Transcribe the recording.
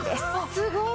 すごい！